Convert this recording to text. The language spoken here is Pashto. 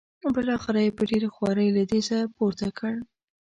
بالاخره یې په ډېره خوارۍ له دې ځایه پورته کړ.